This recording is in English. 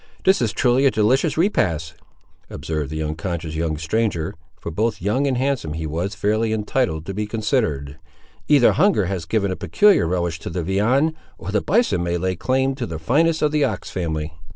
"This is truly a delicious repast," observed the unconscious young stranger, for both young and handsome he was fairly entitled to be considered; "either hunger has given a peculiar relish to the viand, or the bison may lay claim to be the finest of the ox family!"